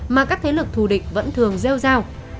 mà các thế lực thù địch vẫn thường gieo giao